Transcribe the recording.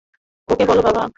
ওকে বলো, বাবা!